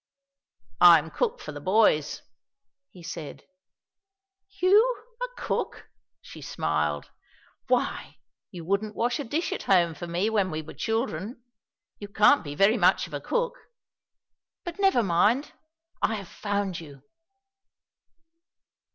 "I am cook for the boys," he said. "You, a cook?" she smiled. "Why, you wouldn't wash a dish at home for me when we were children. You can't be very much of a cook.... But never mind. I have found you."